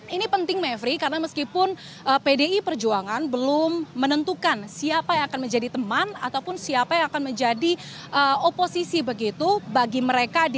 ini penting mevri karena meskipun pdi perjuangan belum menentukan siapa yang akan menjadi teman ataupun siapa yang akan menjadi oposisi begitu bagi mereka di konteksasi dua ribu dua puluh empat